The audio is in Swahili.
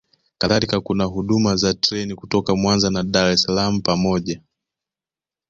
kadhalika kuna huduma za treni kutoka Mwanza na Dar es Salaam pamoja